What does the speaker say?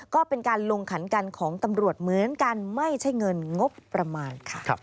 ก็เป็นการลงขันกันของตำรวจเหมือนกันไม่ใช่เงินงบประมาณค่ะ